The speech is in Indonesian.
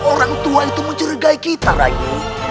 orang tua itu mencurigai kita rayu